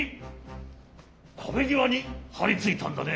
かべぎわにはりついたんだね。